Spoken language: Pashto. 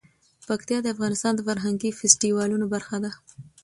پکتیا د افغانستان د فرهنګي فستیوالونو برخه ده.